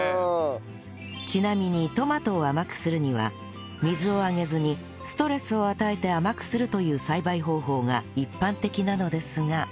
ちなみにトマトを甘くするには水をあげずにストレスを与えて甘くするという栽培方法が一般的なのですが